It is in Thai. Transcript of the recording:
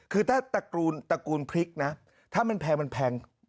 คือถ้าตระกูลพริกนะถ้ามันแพงมันแพง